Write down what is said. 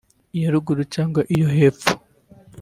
iya ruguru cyangwa iy’epfo